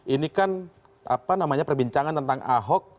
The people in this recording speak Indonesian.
ini kan apa namanya perbincangan tentang ahok